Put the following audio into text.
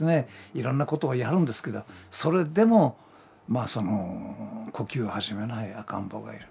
いろんなことをやるんですけどそれでも呼吸を始めない赤ん坊がいる。